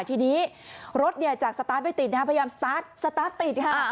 ทีนี้รถจากสตาร์ทไม่ติดนะครับพยายามสตาร์ทสตาร์ทติดค่ะ